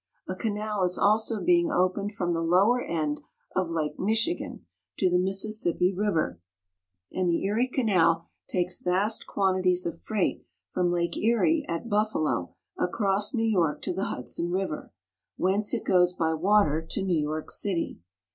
A canal is also being opened from the lower end of Lake Michigan to the Mississippi River, and the Erie Canal takes vast quantities of freight from Lake Erie at Buffalo across New York to the Hudson River, whence it goes by water to New York city.